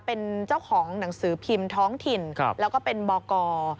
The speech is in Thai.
เป็นเจ้าของหนังสือพิมพ์ท้องถิ่นแล้วก็เป็นบก